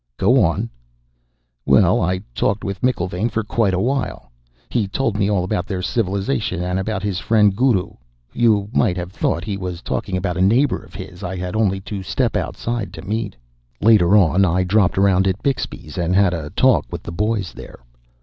"Go on." "Well, I talked with McIlvaine for quite a while. He told me all about their civilization and about his friend, Guru. You might have thought he was talking about a neighbor of his I had only to step outside to meet. "Later on, I dropped around at Bixby's and had a talk with the boys there.